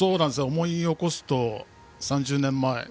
思い起こすと、３０年前。